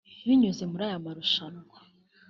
“binyuze muri aya marushanwa